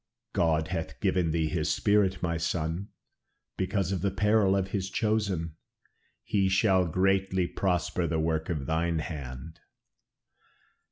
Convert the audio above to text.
"God hath given thee this spirit, my son, because of the peril of his chosen. He shall greatly prosper the work of thine hand."